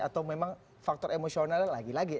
atau memang faktor emosionalnya lagi lagi